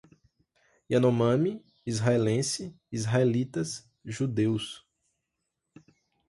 Yanomami, israelense, israelitas, judeus